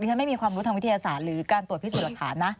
ฉันไม่มีความรู้ทางวิทยาศาสตร์หรือการตรวจพิสูจน์หลักฐานนะ